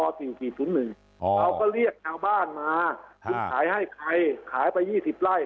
เราก็เรียกบ้านมาคืนขายให้อาจแยกขายไป๒๐ไล่